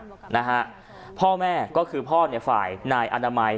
ไม่ตรงกันนะฮะพ่อแม่ก็คือพ่อเนี่ยฝ่ายนายอนามัย